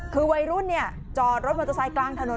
คือวัยรุ่นจอดรถมอเตอร์ไซค์กลางถนน